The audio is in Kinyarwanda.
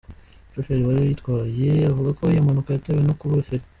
Umushoferi wari uyitwaye avuga ko iyo mpanuka yatewe no kubura feri.